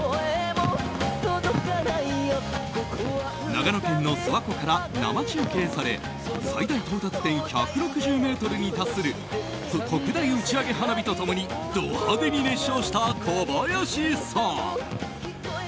長野県の諏訪湖から生中継され最大到達点１６０ｍに達する特大打ち上げ花火と共にド派手に熱唱した小林さん。